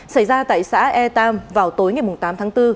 xảy ra tại xã e tam vào tối ngày tám tháng bốn